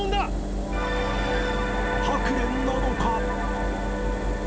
ハクレンなのか？